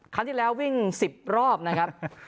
ครั้งที่แล้ววิ่ง๑๐รอบนะครับ